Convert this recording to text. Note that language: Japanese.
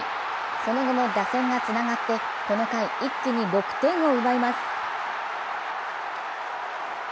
その後も打線がつながって、この回、一気に６点を奪います。